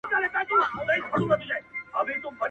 • خاموسي لا هم قوي ده تل..